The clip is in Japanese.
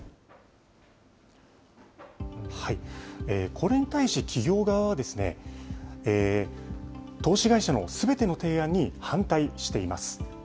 これに対し企業側は、投資会社のすべての提案に反対しています。